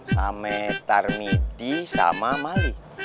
sama tarmidi sama mali